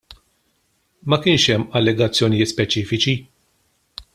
Ma kienx hemm allegazzjonijiet speċifiċi.